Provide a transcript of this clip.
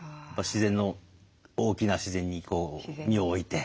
自然の大きな自然にこう身を置いて。